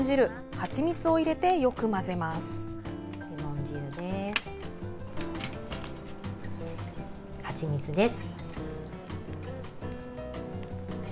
はちみつです。